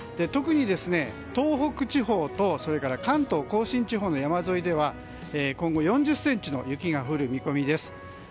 特に東北地方と関東・甲信地方の山沿いでは今後４０ｃｍの雪が降る見込みです。